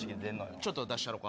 ちょっと出したろか。